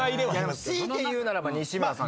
強いて言うならば西村さん。